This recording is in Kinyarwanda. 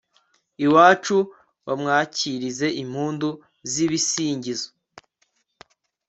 iwacu bamwakirize impundu z'ibisingizo